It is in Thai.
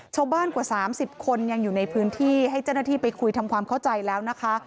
กว่า๓๐คนยังอยู่ในพื้นที่ให้เจ้าหน้าที่ไปคุยทำความเข้าใจแล้วนะคะ